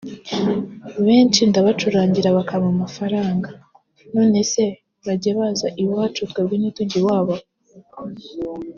benshi ndabacurangira bakampa amafaranga […] Nonese bajye baza iwacu twebwe ntitujye iwabo